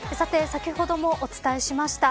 先ほどもお伝えしました。